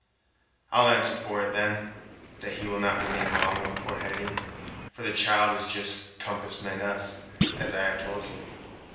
"I'll answer for it, then, that he will not remain long with poor Hetty; for the child is just 'compass meant us,' as I have told you.